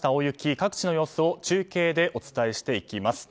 各地の様子を中継でお伝えしていきます。